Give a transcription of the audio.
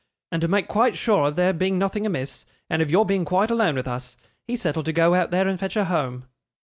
And to make quite sure of there being nothing amiss, and of your being quite alone with us, he settled to go out there and fetch her home.